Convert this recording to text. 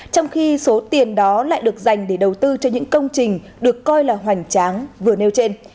trong khi số tiền đó lại được dành để đầu tư cho những công trình được coi là hoành tráng vừa nêu trên